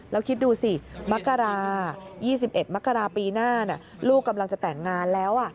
แล้วคิดดูสิมกรา๒๑มกราปีหน้าลูกกำลังจะแต่งงานแล้ว